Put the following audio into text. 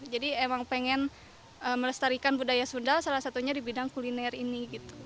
jadi memang ingin melestarikan budaya sunda salah satunya di bidang kuliner ini